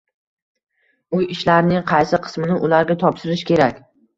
Uy ishlarining qaysi qismini ularga topshirish kerak?